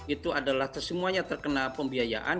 itu adalah semuanya terkena pembiayaan